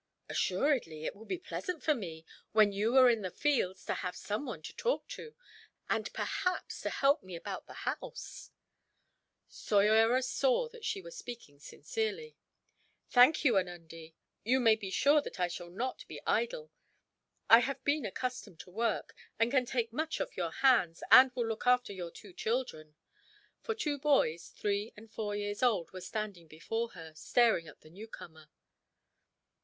"Assuredly. It will be pleasant for me, when you are in the fields, to have some one to talk to, and perhaps to help me about the house." Soyera saw that she was speaking sincerely. "Thank you, Anundee; you may be sure that I shall not be idle. I have been accustomed to work, and can take much off your hands; and will look after your two children;" for two boys, three or four years old, were standing before her, staring at the newcomer.